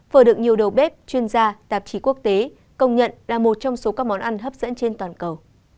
vừa được nhiều đầu bếp chuyên gia tạp chí quốc tế công nhận là một trong số các món ăn hấp dẫn trên toàn cầu